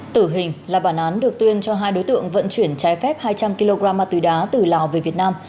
tử hình là bản án được tuyên cho hai đối tượng vận chuyển trái phép hai trăm linh kg ma túy đá từ lào về việt nam